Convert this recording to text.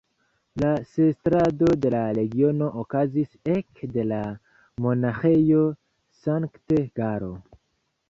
La setlado de la regiono okazis ek de la Monaĥejo Sankt-Galo.